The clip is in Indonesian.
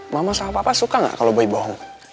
mama sama papa suka gak kalau boy berangkat sekolah